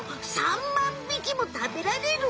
３万匹も食べられる？